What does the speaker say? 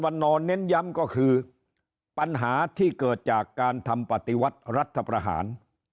นอนเน้นย้ำก็คือปัญหาที่เกิดจากการทำปฏิวัติรัฐประหาร